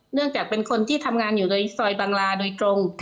เนื่องจากเป็นคนที่ทำงานอยู่โดยซอยบางราโดยตรง